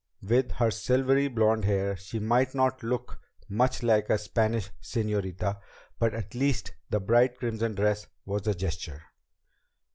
With her silvery blond hair she might not look much like a Spanish señorita, but at least the bright crimson dress was a gesture.